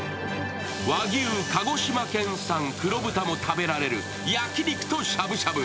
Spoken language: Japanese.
和牛、鹿児島県産黒豚も食べられる焼き肉としゃぶしゃぶ。